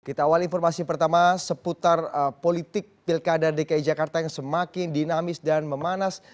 kita awal informasi pertama seputar politik pilkada dki jakarta yang semakin dinamis dan memanas